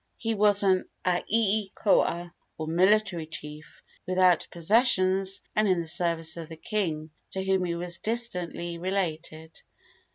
He was an alii koa, or military chief, without possessions and in the service of the king, to whom he was distantly related.